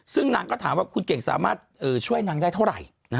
ซึ่งนางก็ถามว่าคุณเก่งสามารถช่วยนางได้เท่าไหร่